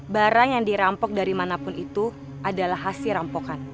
barang yang dirampok dari manapun itu adalah hasil rampokan